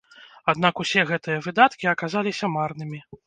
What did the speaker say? Аднак усе гэтыя выдаткі аказаліся марнымі.